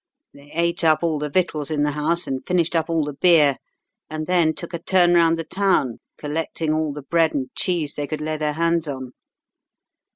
They ate up all the victuals in the house, and finished up all the beer, and then took a turn round the town collecting all the bread and cheese they could lay their hands on.